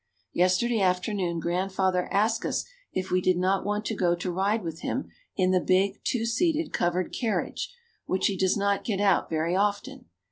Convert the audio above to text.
Yesterday afternoon Grandfather asked us if we did not want to go to ride with him in the big two seated covered carriage which he does not get out very often.